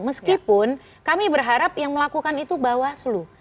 meskipun kami berharap yang melakukan itu bawah selu